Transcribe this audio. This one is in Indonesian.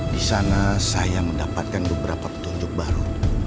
di sana saya mendapatkan beberapa petunjuk baru